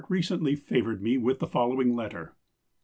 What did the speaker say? recently favoured me with the following letter....